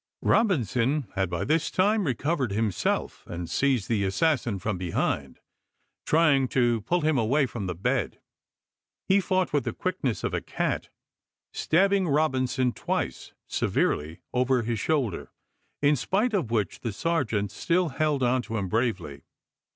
Robinson had by this time recovered himself and seized the assassin from behind, trying to pull him THE FATE OF THE ASSASSINS 305 away from the bed. He fought with the quickness chap. xv. of a cat, stabbing Robinson twice severely over his APi.i4,i865. shoulder, in spite of which the sergeant still held on to him bravely.